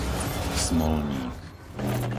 Smolník